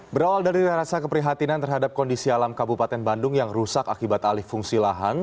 berawal dari rasa keprihatinan terhadap kondisi alam kabupaten bandung yang rusak akibat alih fungsi lahan